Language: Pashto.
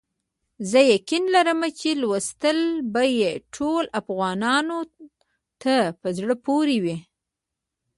زه یقین لرم چې لوستل به یې ټولو افغانانو ته په زړه پوري وي.